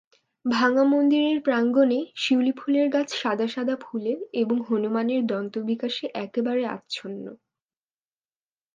ভাঙা মন্দিরের প্রাঙ্গণে শিউলি ফুলের গাছ সাদা সাদা ফুলে এবং হনুমানের দন্তবিকাশে একেবারে আচ্ছন্ন।